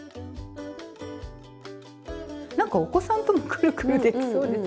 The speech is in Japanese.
なんかお子さんともくるくるできそうですね。